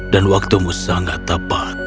dan waktumu sangat tepat